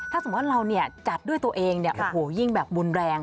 ถ้าสมมุติว่าเราจัดด้วยตัวเองโอ้โฮยิ่งแบบบุญแรง